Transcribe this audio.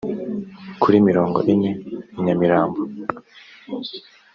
kuri mirongo ine i nyamirambo